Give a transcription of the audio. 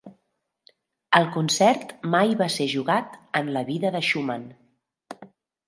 El concert mai va ser jugat en la vida de Schumann.